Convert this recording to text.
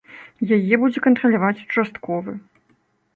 Яе будзе кантраляваць участковы.